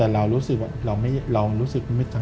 เรารู้สึกว่าเรารู้สึกว่า